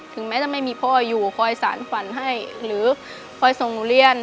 แม้จะไม่มีพ่ออยู่คอยสารฝันให้หรือคอยส่งหนูเรียน